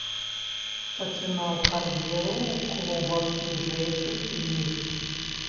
Пачынаў кар'еру ў клубах ніжэйшых ліг.